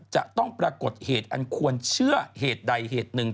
จะต้องปรากฏเหตุอันควรเชื่อเหตุใดเหตุหนึ่ง